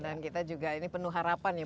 dan ini penuh harapan ya